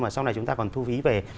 mà sau này chúng ta còn thu phí về